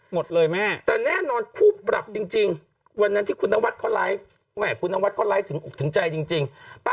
หมดเลยแม่แต่แน่นอนคู่ปรักจริงจริง